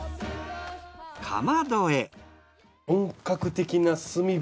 かまどへ。